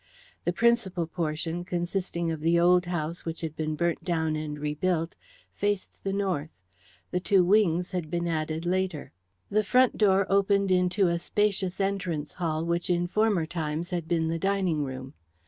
The principal portion, consisting of the old house which had been burnt down and rebuilt, faced the north. The two wings had been added later. The front door opened into a spacious entrance hall which in former times had been the dining room.